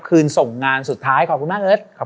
ขอบคุณมากเอิร์ทขอบคุณนะครับ